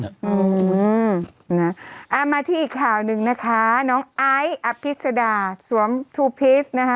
อืมนะอ่ามาที่อีกข่าวหนึ่งนะคะน้องไอซ์อภิษดาสวมทูพีชนะคะ